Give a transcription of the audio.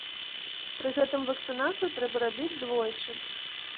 Пры гэтым вакцынацыю трэба рабіць двойчы.